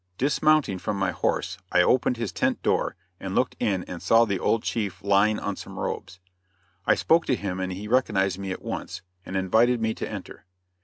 Dismounting from my horse I opened his tent door and looked in and saw the old chief lying on some robes. I spoke to him and he recognized me at once and invited me to enter.